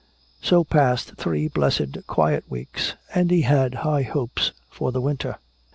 So passed three blessed quiet weeks, and he had high hopes for the winter.